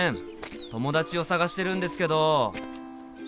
友達を捜してるんですけど。